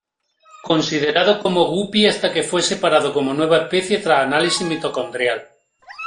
Considerado como guppy hasta que fue separado como nueva especie tras análisis mitocondrial.